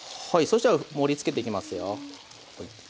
そしたら盛りつけていきますよ。